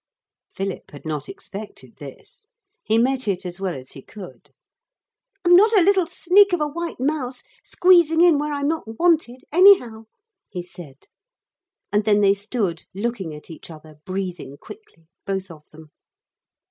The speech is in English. Philip had not expected this. He met it as well as he could. 'I'm not a little sneak of a white mouse squeezing in where I'm not wanted, anyhow,' he said. And then they stood looking at each other, breathing quickly, both of them.